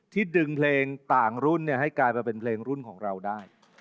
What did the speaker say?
ดึงเพลงต่างรุ่นให้กลายมาเป็นเพลงรุ่นของเราได้